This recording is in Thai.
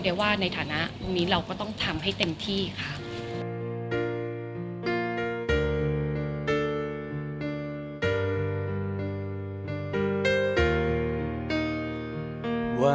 เดี๋ยวว่าในฐานะตรงนี้เราก็ต้องทำให้เต็มที่ค่ะ